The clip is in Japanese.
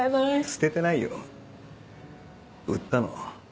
捨ててないよ売ったの。